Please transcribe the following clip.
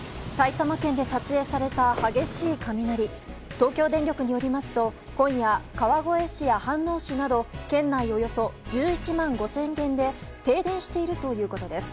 東京電力によりますと今夜、川越市や飯能市など県内およそ１１万５０００軒で停電しているということです。